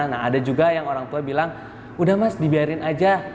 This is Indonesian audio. nah ada juga yang orang tua bilang udah mas dibiarin aja